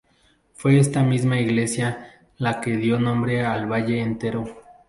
Fue esta misma iglesia la que dio nombre al valle entero.